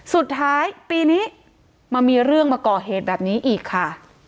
สุดท้ายปีนี้มามีเรื่องมาก่อเหตุแบบนี้อีกค่ะ